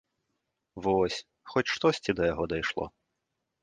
Вось, хоць штосьці да яго дайшло.